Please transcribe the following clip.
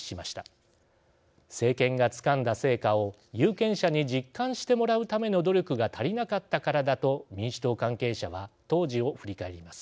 政権がつかんだ成果を有権者に実感してもらうための努力が足りなかったからだと民主党関係者は当時を振り返ります。